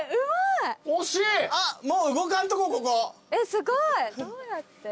すごいどうやって？